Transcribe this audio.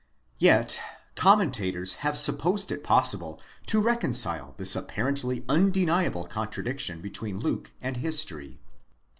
Yet commentators have supposed it possible to reconcile this apparently undeniable contradiction between Luke and history.